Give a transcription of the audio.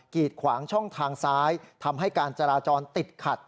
ีดขวางช่องทางซ้ายทำให้การจราจรติดขัด